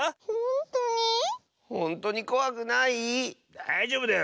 だいじょうぶだよ。